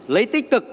lấy tích cực để chống